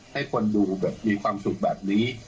ให้คนดูแบบมีความสุขแบบนี้